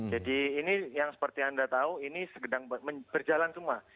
jadi ini yang seperti anda tahu ini sedang berjalan semua